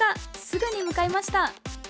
すぐに向かいました！